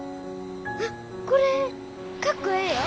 あっこれかっこええよ。